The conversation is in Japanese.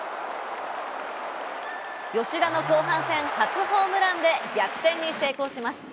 吉田の後半戦初ホームランで逆転に成功します。